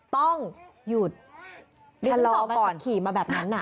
ต้องหยุดฟิสปอล์มันจะขี่มาแบบนั้นน่ะ